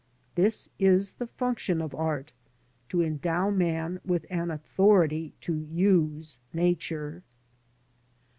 This is the function of art, to endow man with an authority to use Nature.